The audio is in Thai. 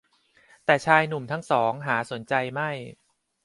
แต่ชายหนุ่มทั้งสองหาสนใจไม่